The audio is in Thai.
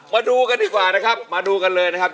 มาดูกันดีกว่านะครับมาดูกันเลยนะครับ